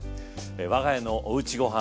我が家の「おうちごはん」